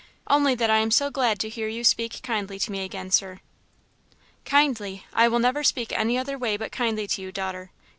"Only that I am so glad to hear you speak kindly to me again, Sir." "Kindly! I will never speak any other way but kindly to you, daughter.